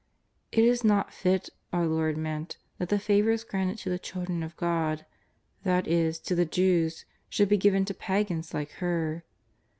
It is not fit, our Lord meant, that the favours granted to the children of God, that is, to the Jews, should be given to pagans like her.